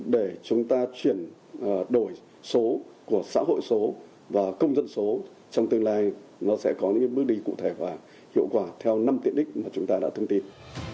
để chúng ta chuyển đổi số của xã hội số và công dân số trong tương lai nó sẽ có những bước đi cụ thể và hiệu quả theo năm tiện ích mà chúng ta đã thông tin